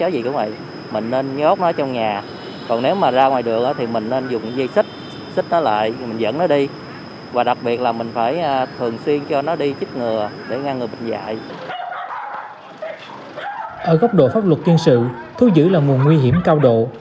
ở góc độ pháp luật chuyên sự thú dữ là nguồn nguy hiểm cao độ